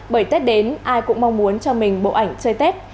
bởi tết đến ai cũng mong muốn cho mình bộ ảnh chơi tết